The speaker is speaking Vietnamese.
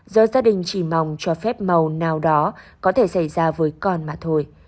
giờ gia đình chỉ mong cho phép màu nào đó có thể xảy ra với con mà thôi